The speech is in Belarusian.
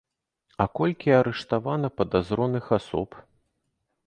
А колькі арыштавана падазроных асоб?!